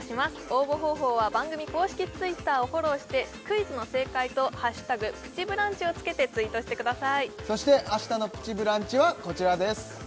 応募方法は番組公式Ｔｗｉｔｔｅｒをフォローしてクイズの正解と＃プチブランチをつけてツイートしてくださいそして明日の「プチブランチ」はこちらです